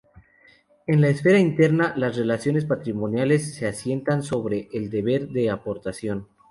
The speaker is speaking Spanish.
En la esfera interna, las relaciones patrimoniales se asientan sobre el deber de aportación.